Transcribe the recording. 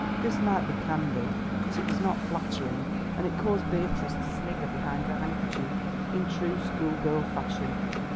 This might be candid, but it was not flattering, and it caused Beatrice to snigger behind her handkerchief in true school girl fashion.